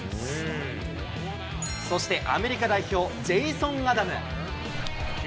そしてアメリカ代表、ジェイソン・アダム。